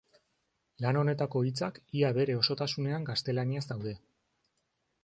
Lan honetako hitzak ia bere osotasunean gaztelaniaz daude.